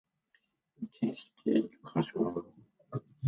自信過剰